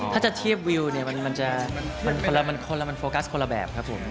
ถ้าจะเทียบวิวเนี่ยมันจะคนละมันโฟกัสคนละแบบครับผม